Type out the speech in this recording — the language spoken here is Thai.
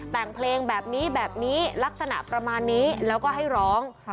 แต่งเพลงแบบนี้แบบนี้ลักษณะประมาณนี้แล้วก็ให้ร้อง